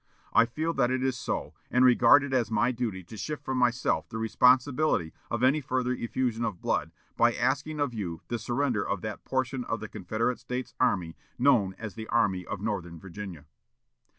I feel that it is so, and regard it as my duty to shift from myself the responsibility of any further effusion of blood, by asking of you the surrender of that portion of the Confederate States Army known as the Army of Northern Virginia."